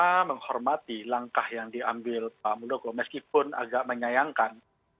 kita menghormati langkah yang diambil pak muldoko meskipun agak menyayangkan